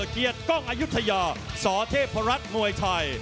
เกียรติกองอายุทยาสอเทพรัตน์หน่วยไทย